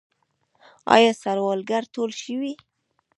آیا سوالګر ټول شوي؟